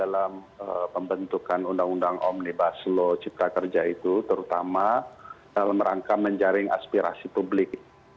dalam pembentukan undang undang omnibus law cipta kerja itu terutama dalam rangka menjaring aspirasi publik